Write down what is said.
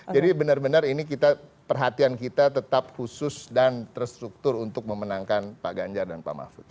jadi benar benar ini perhatian kita tetap khusus dan terstruktur untuk memenangkan pak ganjar dan pak mahfud